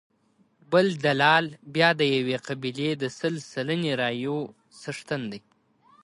بل دلال بیا د یوې قبیلې د سل سلنې رایو څښتن دی.